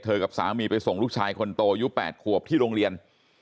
กับสามีไปส่งลูกชายคนโตอายุ๘ขวบที่โรงเรียน